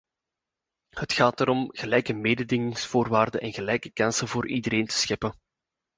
Het gaat erom gelijke mededingingsvoorwaarden en gelijke kansen voor iedereen te scheppen.